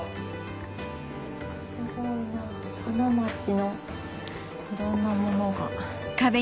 すごいな花街のいろんなものが。